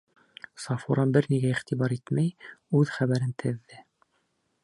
Сафура бер нигә иғтибар итмәй үҙ хәбәрен теҙҙе.